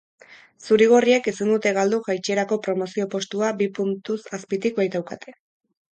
Zuri-gorriek ezin dute galdu jaitsierako promozio postua bi puntuz azpitik baitaukate.